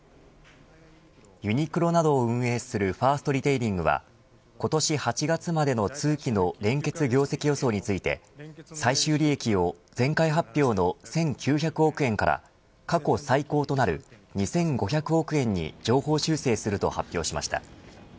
ユニクロなどを運営するファーストリテイリングは今年８月までの通期の連結業績予想について最終利益を前回発表の１９００億円から過去最高となる２５００億円に上方修正すると発表しました。